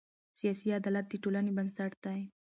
سیاسي عدالت د ټولنې بنسټ دی